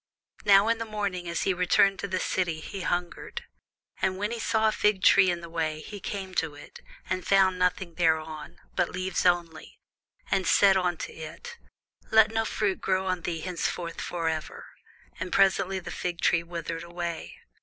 Now in the morning as he returned into the city, he hungered. And when he saw a fig tree in the way, he came to it, and found nothing thereon, but leaves only, and said unto it, Let no fruit grow on thee henceforward for ever. And presently the fig tree withered away.